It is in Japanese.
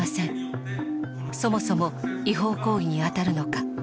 そもそも違法行為に当たるのか？